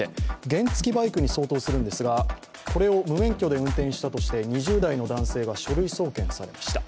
原付バイクに相当するんですが、これを無免許で運転したとして２０代の男性が書類送検されました。